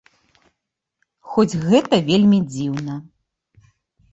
Хоць гэта вельмі дзіўна.